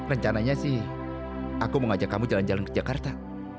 rencananya sih aku mengajak kamu jalan jalan ke jakarta